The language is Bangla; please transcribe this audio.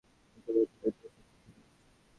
একবার দলে ঢুকেছো, তো ঢুকে গেছো।